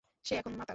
সে এখন মাতাল।